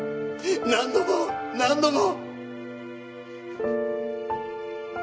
何度も何度も！